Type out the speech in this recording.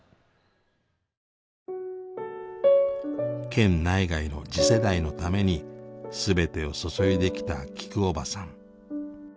県内外の次世代のために全てを注いできたきくおばさん。